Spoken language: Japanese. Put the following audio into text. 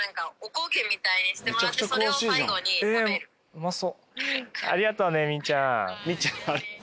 うまそう。